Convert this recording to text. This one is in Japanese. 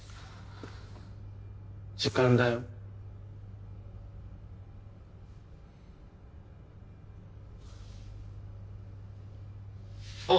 時間だよあっ